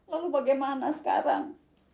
lalu bagaimana sekarang